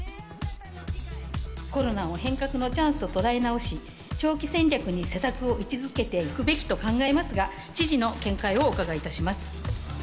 コロナを変革のチャンスと捉え直し、長期戦略に施策を位置づけていくべきと考えますが、知事の見解をお伺いいたします。